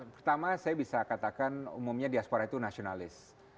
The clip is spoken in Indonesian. pertama saya bisa katakan umumnya diaspora itu nasionalis